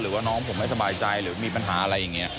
หรือว่าน้องผมไม่สบายใจหรือมีปัญหาอะไรอย่างนี้